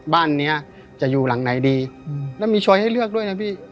บ้านเนี้ยจะอยู่หลังไหนดีแล้วมีโชว์ให้เลือกด้วยนะพี่